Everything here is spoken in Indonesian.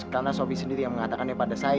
karena sofi sendiri yang mengatakannya pada saat ini